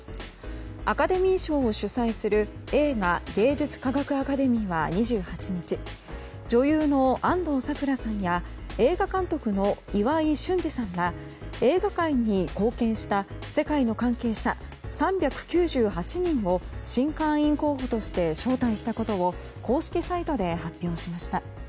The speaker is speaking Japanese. アカデミー賞を主宰する映画芸術科学アカデミーは２８日、女優の安藤サクラさんや映画監督の岩井俊二さんら映画界に貢献した世界の関係者３９８人を新会員候補として招待したことを公式サイトで発表しました。